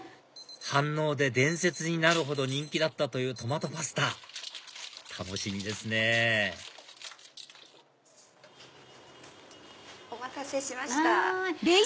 飯能で伝説になるほど人気だったというトマトパスタ楽しみですねお待たせしました。